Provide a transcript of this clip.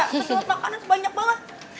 kedua makanan sebanyak banget